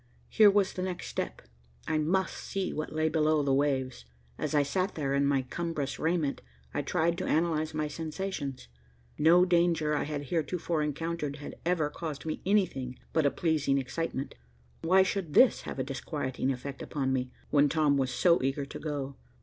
Here was the next step. I must see what lay below the waves. As I sat there, in my cumbrous raiment, I tried to analyze my sensations. No danger I had heretofore encountered had ever caused me anything but a pleasing excitement. Why should this have a disquieting effect upon me, when Tom was so eager to go.